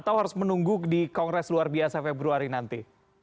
atau harus menunggu di kongres luar biasa februari nanti